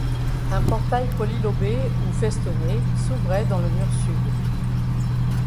Un portail polylobé ou festonné s'ouvrait dans le mur sud.